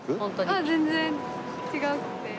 あっ全然違くて。